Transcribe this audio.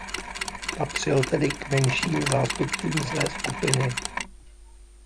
Patřil tedy k menším zástupcům své skupiny.